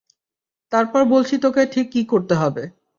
তারপর বলছি তোকে ঠিক কী করতে হবে।